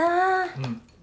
うん。